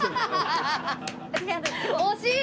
惜しい！